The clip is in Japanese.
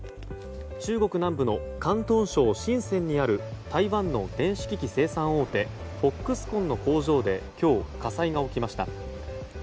中国南部の広東省シンセンにある台湾の電子機器生産大手フォックスコンの工場で今日、火災が起きました。